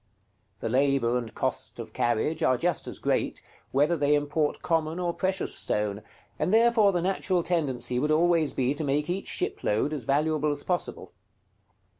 The labor and cost of carriage are just as great, whether they import common or precious stone, and therefore the natural tendency would always be to make each shipload as valuable as possible.